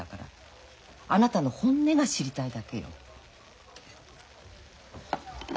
あなたの本音が知りたいだけよ。